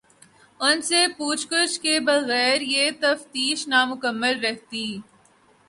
ان سے پوچھ گچھ کے بغیر یہ تفتیش نامکمل رہتی۔